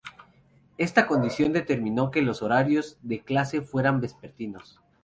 Esta condición determinó que los horarios de clase fueran vespertinos.